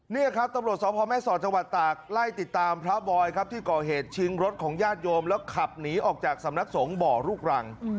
นี่ครับตำรวจสพแม่สอดจังหวัดตากไล่ติดตามพระบอยครับที่ก่อเหตุชิงรถของญาติโยมแล้วขับหนีออกจากสำนักสงฆ์บ่อลูกรัง